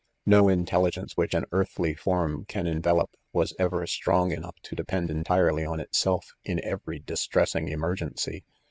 No intelligence which an earthly form can enve lope, was ever strong enough to depend entirely on itself, in every distressing emergency.